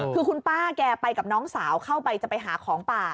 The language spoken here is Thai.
คือคุณป้าแกไปกับน้องสาวเข้าไปจะไปหาของป่า